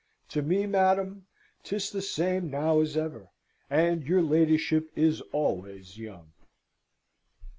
To me, madam, 'tis the same now as ever; and your ladyship is always young!